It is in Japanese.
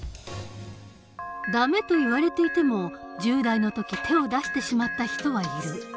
「ダメ」と言われていても１０代の時手を出してしまった人はいる。